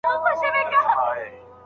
پښتو د یادښت لپاره ښه وسیله ده.